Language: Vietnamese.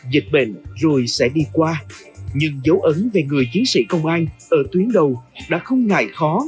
dịch bệnh rồi sẽ đi qua nhưng dấu ấn về người chiến sĩ công an ở tuyến đầu đã không ngại khó